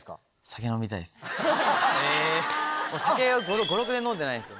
酒を５６年飲んでないんですよ。